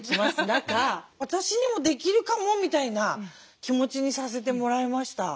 中「私にもできるかも」みたいな気持ちにさせてもらいました。